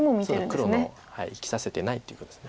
黒の生きさせてないっていうことです。